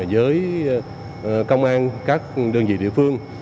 với công an các đơn vị địa phương